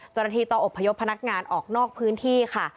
จนทีต่ออบพยพพนักงานออกนอกพื้นที่ค่ะ